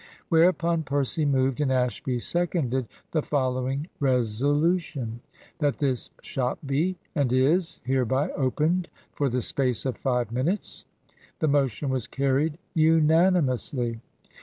Whereupon Percy moved, and Ashby seconded, the following resolution: "That this shop be, and is, hereby opened for the space of five minutes." The motion was carried unanimously.